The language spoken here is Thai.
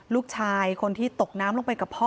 ลูกชายคนที่ตกน้ำลงไปกับพ่อ